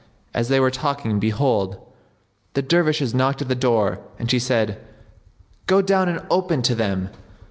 As they were talking, behold, the Dervishes knocked at the door and she said, "Go down and open to them."